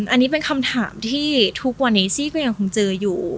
อันนี้เป็นคำถามที่ทุกวันนี้ซี่ก็ยังคงเจออยู่